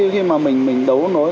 khi mà mình đấu nối